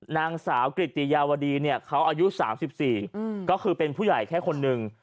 นางสาวกริตติยาวดีเนี่ยเขาอายุ๓๔ก็คือเป็นผู้ใหญ่แค่คนหนึ่ง